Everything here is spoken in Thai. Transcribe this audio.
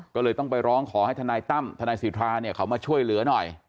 ก็เลยต้องไปร้องขอให้ทนายตั้มทนายสิทธาเนี่ยเขามาช่วยเหลือหน่อย